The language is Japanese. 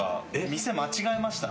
店間違えました。